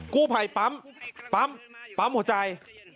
กู้ไผ่ปั๊มปั๊มปั๊มหัวใจ